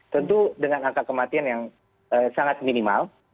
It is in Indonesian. tentu dengan angka kematian yang sangat minimal